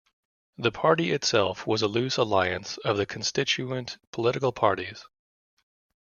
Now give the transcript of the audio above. The Party itself was a loose alliance of the constituent political parties.